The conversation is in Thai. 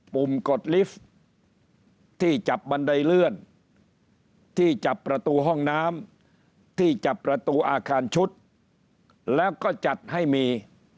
ุ่มกดลิฟท์ที่จับบันไดเลื่อนที่จับประตูห้องน้ำที่จับประตูอาคารชุดแล้วก็จัดให้มี